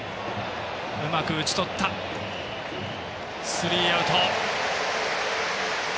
スリーアウト。